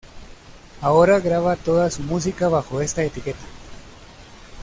Ahora graba toda su música bajo esta etiqueta.